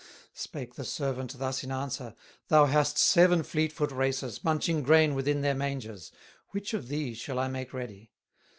Spake the servant thus in answer: "Thou hast seven fleet foot racers, Munching grain within their mangers, Which of these shall I make ready?"